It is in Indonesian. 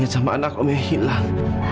kamu putri bapak yang hilang